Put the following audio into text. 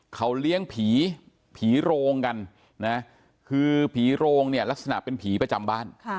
เขาเลี้ยงผีผีโรงกันนะคือผีโรงเนี่ยลักษณะเป็นผีประจำบ้าน